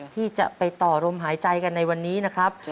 ที่จะไปต่อลมหายใจกันในวันนี้นะครับ